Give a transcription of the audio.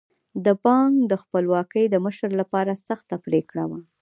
د بانک خپلواکي د مشر لپاره سخته پرېکړه وه.